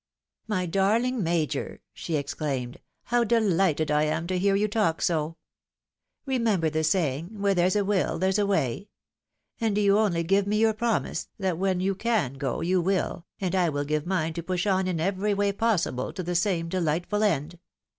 " My darling Major !" she exclaimed, " how delighted I am to hear you talk so ! Remember the saying, ' Where there's a will there's a way ;' and do you only give me your promise that when you can go, you will, and I wiU give mine to push on in every way possible to the same dehghtful end.